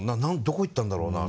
どこ行ったんだろうな？